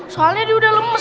soalnya dia udah lemes